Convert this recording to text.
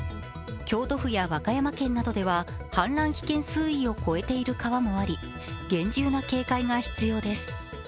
京都府や和歌山県などでは氾濫危険水位を超えている川もあり厳重な警戒が必要です。